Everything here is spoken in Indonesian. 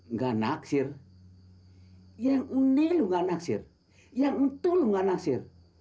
nggak naksir yang ini lo nggak naksir yang itu lo nggak naksir